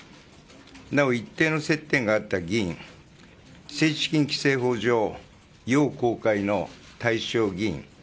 なお一定の接点があった議員政治資金規正法上、要公開の対象議員。